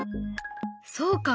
そうか。